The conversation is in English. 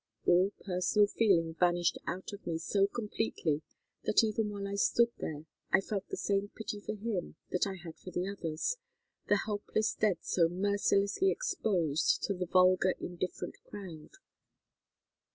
All personal feeling vanished out of me so completely that even while I stood there I felt the same pity for him that I had for the others, the helpless dead so mercilessly exposed to the vulgar indifferent crowd.